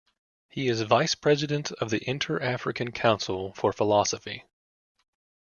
He is Vice-President of the Inter-African Council for Philosophy.